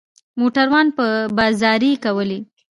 موټروان به زارۍ کولې.